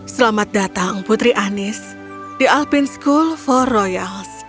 selamat datang putri anis di alpine school for royals